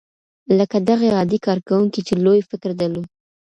لکه دغې عادي کارکوونکې چې لوی فکر درلود.